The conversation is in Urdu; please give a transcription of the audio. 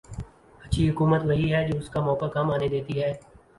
اچھی حکومت وہی ہے جو اس کا موقع کم آنے دیتی ہے۔